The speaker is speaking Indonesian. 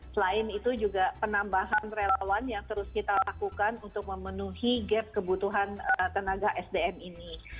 selain itu juga penambahan relawan yang terus kita lakukan untuk memenuhi gap kebutuhan tenaga sdm ini